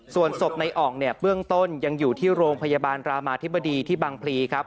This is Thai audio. ส่วนศพในอ่องเนี่ยเบื้องต้นยังอยู่ที่โรงพยาบาลรามาธิบดีที่บางพลีครับ